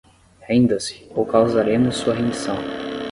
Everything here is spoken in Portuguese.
Renda-se ou causaremos sua rendição